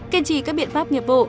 kiên trì các biện pháp nghiệp vụ